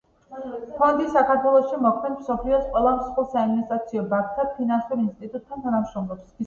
ფონდი საქართველოში მოქმედ მსოფლიოს ყველა მსხვილ საინვესტიციო ბანკთან და ფინანსურ ინსტიტუტთან თანამშრომლობს.